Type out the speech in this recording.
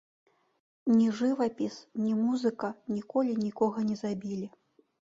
Ні жывапіс, ні музыка, ніколі нікога не забілі.